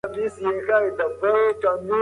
ټولنیز ځواک د ټولنې له جوړښت نه جلا نه پاتې کېږي.